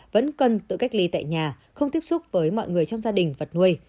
vẫn cần tự cách ly tại nhà không tiếp xúc với mọi người trong gia đình vật nuôi